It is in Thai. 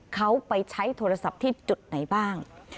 เขาไปใช้โทรศัพท์ที่จุดไหนบ้าง